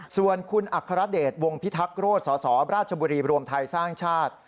ส่วนคุณอัครเดชวงพิทักษโรธสสราชบุรีรวมไทยสร้างชาติ